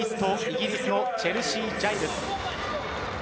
イギリスのチェルシー・ジャイルス。